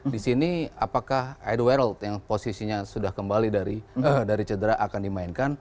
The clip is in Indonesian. di sini apakah edward yang posisinya sudah kembali dari cedera akan dimainkan